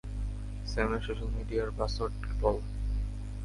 স্যামের social মিডিয়ার password বল?